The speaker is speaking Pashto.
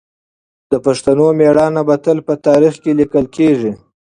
د پښتنو مېړانه به تل په تاریخ کې لیکل کېږي.